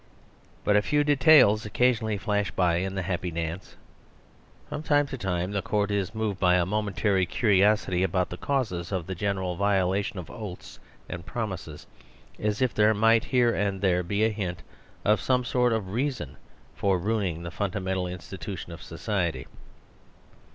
But a few details occasionally flash by in the happy dance; from time to time the court is moved by a momentary curiosity about the causes of the general violation of oaths and promises; as if there might, here and there, be a hint of some sort of reason for ruining the fundamental institution of society.